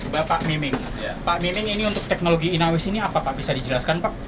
bapak miming pak miming ini untuk teknologi inawis ini apa pak bisa dijelaskan pak